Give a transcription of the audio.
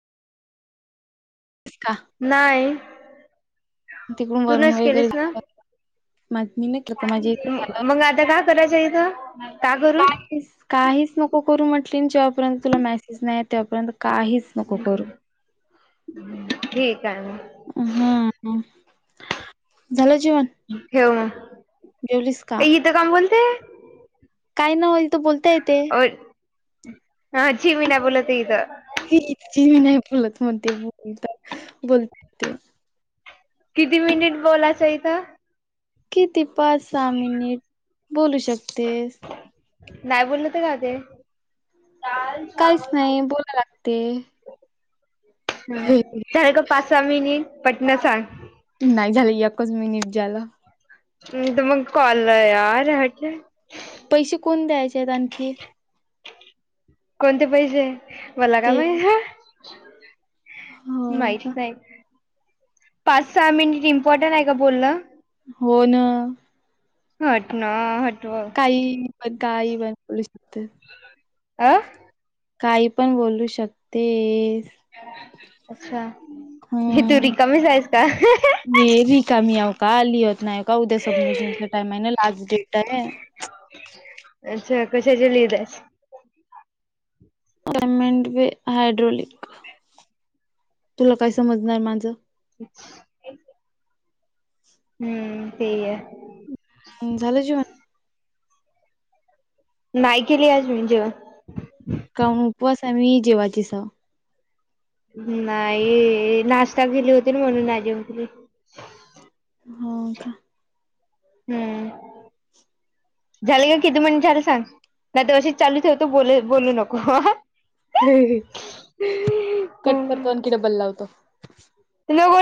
का नाही तिकडून तू वरून नच वगैरे केलीस ना मी नाही केलं का माझ्या इथे झालं असं मग आता का करायच तर त्यागरून काहीच काहीच नको करू म्हटली जेव्हापर्यंत तुला मेसेज नाही येत तेवापर्यंत काहीच नको करू. ठीक आहे मग हम झालं जेवन हे बघ जेवलीस का? ते कावुन बोलते काय ना होईल तर बोलता येते हा जी मीना बोलत हे इथ मी नाही बोलत म्हणते बोलत बोलते ते किती मिनिट बोलायचं इथं? किती पाच सहा मिनिट बोलू शकतेस नाही बोलल तर काय होतेय काहीच नाही बोलाय लागते. हम झाले का पाच सहा मिनिट पटण सांग नाही झालं एकच मिनिट झाल.. तर मग कॉलला यार ह्याचे पैसे कोण द्यायचे आहेत आणखी? कोणते पैसेे? मला काय ते माहित हाय? हो का माहित नाही पाच सहा मिनिट इम्पॉर्टट आहे का बोलण? हो न हट ना हटव आई बघ ग आई बघ नुसत आं? काही पण बोलू शकतेस अच्छा तू हम्म. रिकामीच आहीस का? मी रिकामी हाव का? लिहत नाही का? उद्या सबमिशनचा टाइम आहे ना लास्ट डेट आहे. अच्छा, कशाचे लिहित आहेस? सामेंड्री, हायड्रॉोलिक तुला काय समजणार माझं? [inaudible] हम्म ते ही हाय झालं जेवण? नाही केली आज मी जेवण का हु उपवास आम्ही जेवाचीच स नाही, नाश्ता केली होती म्हणून आजे [unintelligible] हो का? हम्म. झालं का किती मिनिट झाल सांग, नाहीतर असेच चालू ठेवतो बोललं बोलू नको हा कट करतो आण की डब्बल लावतो. [unintelligible]